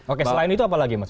oke selain itu apa lagi mas